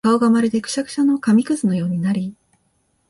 顔がまるでくしゃくしゃの紙屑のようになり、